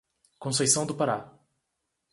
Conceição do Pará